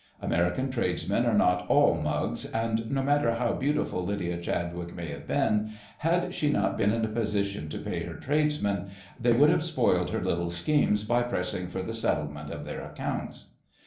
American tradesmen are not all "mugs," and no matter how beautiful Lydia Chadwick may have been, had she not been in a position to pay her tradesmen, they would have spoiled her little schemes by pressing for the settlement of their accounts.